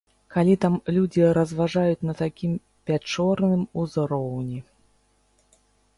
Калі там людзі разважаюць на такім пячорным узроўні.